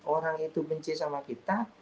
orang itu benci sama kita